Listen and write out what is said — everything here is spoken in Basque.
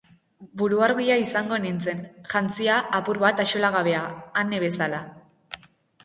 Buruargia izango nintzen, jantzia, apur bat axolagabea, Anne bezala.